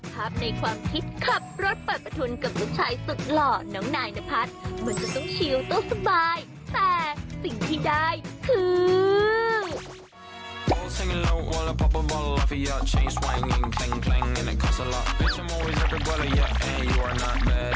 ภาพในความคิดขับรถเปิดประทุนกับผู้ชายสุดหล่อน้องไนนะพัด